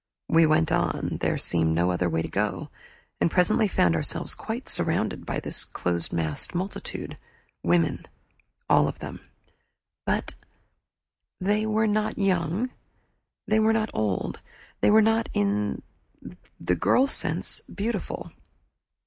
We went on there seemed no other way to go and presently found ourselves quite surrounded by this close massed multitude, women, all of them, but They were not young. They were not old. They were not, in the girl sense, beautiful.